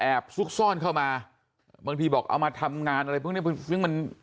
แอบซุกซ่อนเข้ามาบางทีบอกเอามาทำงานอะไรพวกนี้